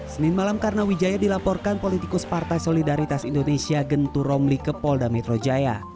senin malam karna wijaya dilaporkan politikus partai solidaritas indonesia gentur romli kepolda metro jaya